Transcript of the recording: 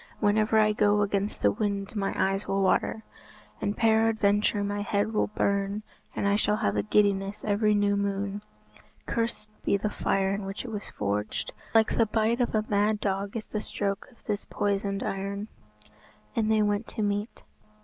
Whenever I go against the wind my eyes will water, and peradventure my head will burn, and I shall have a giddiness every new moon. Cursed be the fire in which it was forged. Like the bite of a mad dog is the stroke of this poisoned iron." And they went to meat.